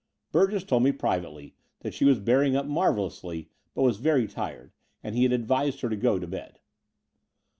Burgess told me privately that she was bearing up marvellously, but was very tired; and he had advised her to go to bed.